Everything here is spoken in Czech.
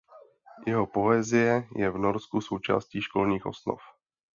Jeho poezie je v Norsku součástí školních osnov.